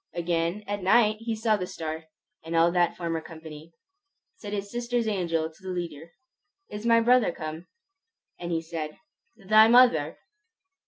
Again at night he saw the star, and all that former company. Said his sister's angel to the leader, "Is my brother come?" And he said, "Thy mother!"